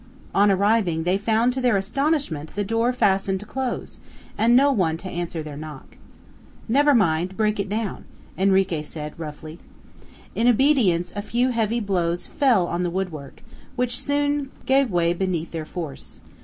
On arriving, they found to their astonishment the door fastened close, and no one to answer their knock. "Never mind, break it down," Henrique said, roughly. In obedience a few heavy blows fell on the woodwork, which soon gave way beneath their force.